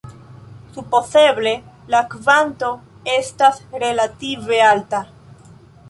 Supozeble la kvanto estas relative alta.